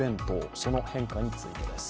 その変化についてです。